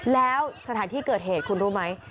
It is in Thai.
แล้วสถานที่เกิดเหตุคุณรู้ไหม